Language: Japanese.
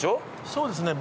そうですね